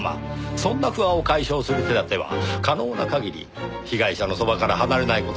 そんな不安を解消する手立ては可能な限り被害者のそばから離れない事ですからねぇ。